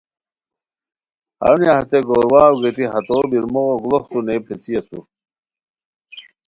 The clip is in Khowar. ہرونیہ ہتےگور واؤ گیتی ہو بیرموغو گڑوڅتو نئے پیڅھی اسور